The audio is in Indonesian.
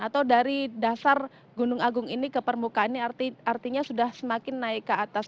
atau dari dasar gunung agung ini ke permukaan ini artinya sudah semakin naik ke atas